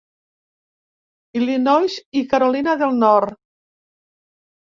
Illinois i Carolina del Nord.